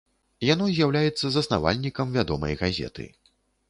Яно з'яўляецца заснавальнікам вядомай газеты.